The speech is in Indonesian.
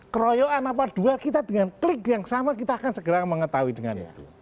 keroyokan apa dua kita dengan klik yang sama kita akan segera mengetahui dengan itu